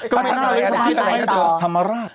ก็ไม่น่าอะไรธนราช